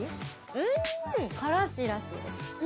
うん！からしらしいです。